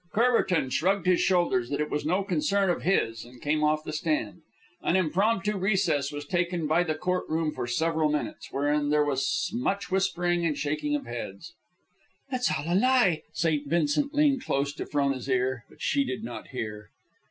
Courbertin shrugged his shoulders that it was no concern of his, and came off the stand. An impromptu recess was taken by the court room for several minutes, wherein there was much whispering and shaking of heads. "It is all a lie." St. Vincent leaned close to Frona's ear, but she did not hear.